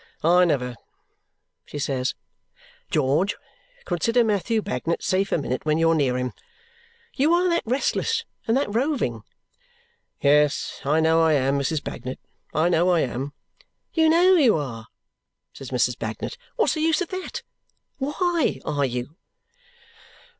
"I never," she says, "George, consider Matthew Bagnet safe a minute when you're near him. You are that restless and that roving " "Yes! I know I am, Mrs. Bagnet. I know I am." "You know you are!" says Mrs. Bagnet. "What's the use of that? WHY are you?"